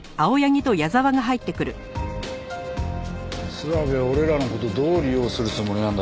諏訪部は俺らの事をどう利用するつもりなんだろうな。